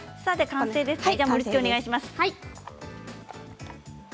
完成ですね。